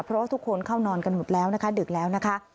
เพราะว่าทุกคนเข้านอนกันหมดแล้วนะคะดึกแล้วนะคะ